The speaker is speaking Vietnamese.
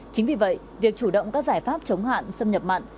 chính vì vậy việc chủ động các giải pháp chống hạn xâm nhập mặn